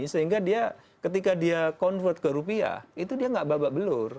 sehingga dia ketika dia convert ke rupiah itu dia nggak babak belur